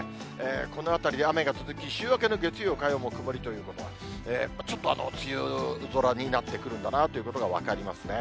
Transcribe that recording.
このあたり、雨が続き、週明けの月曜、火曜も曇りということは、ちょっと梅雨空になってくるんだなということが分かりますね。